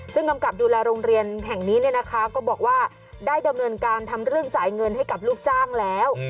ซึ่งกำกับดูแลโรงเรียนแห่งนี้เนี่ยนะคะก็บอกว่าได้ดำเนินการทำเรื่องจ่ายเงินให้กับลูกจ้างแล้ว